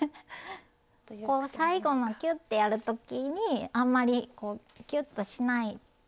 こう最後のキュッてやる時にあんまりこうキュッとしなかったら緩くできる。